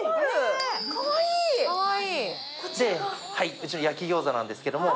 うちの焼き餃子なんですけど。